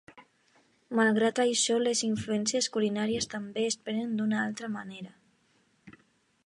Malgrat això, les influències culinàries també es prenen d'una altra manera.